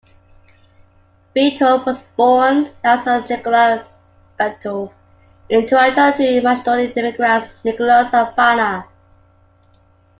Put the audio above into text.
Bitove was born "Lazar Nikola Bitov", in Toronto to Macedonian immigrants Nicholas and Vana.